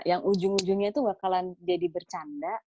yang ujung ujungnya itu bakalan jadi bercanda